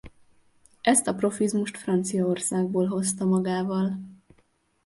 Ezt a profizmust Franciaországból hozta magával.